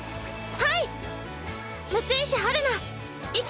はい！